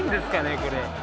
これ。